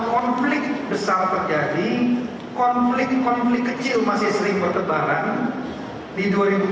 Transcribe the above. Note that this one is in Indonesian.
konflik besar terjadi konflik konflik kecil masih sering berkebaran di dua ribu tujuh belas dua ribu delapan belas dua ribu sembilan belas